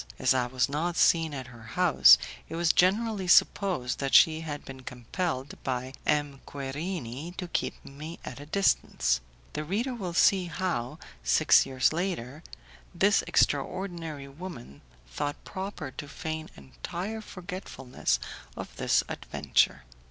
As I was not seen at her house, it was generally supposed that she had been compelled by M. Querini to keep me at a distance. The reader will see how, six years later, this extraordinary woman thought proper to feign entire forgetfulness of this adventure.